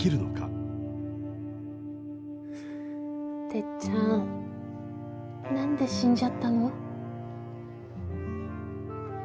てっちゃん何で死んじゃったの？